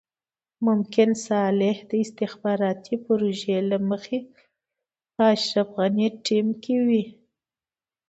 ممکن صالح د استخباراتي پروژې له مخې په اشرف غني ټيم کې وي.